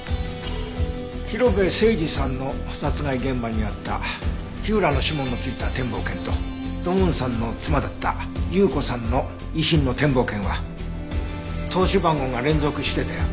広辺誠児さんの殺害現場にあった火浦の指紋のついた展望券と土門さんの妻だった有雨子さんの遺品の展望券は通し番号が連続してたよ。